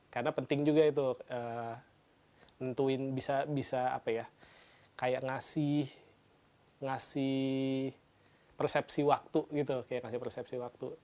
karena penting juga itu nentuin bisa kayak ngasih persepsi waktu gitu